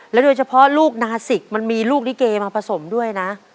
โดยเฉพาะลูกนาสิกมันมีลูกลิเกมาผสมด้วยนะ